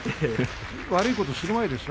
悪いことする前ですよ。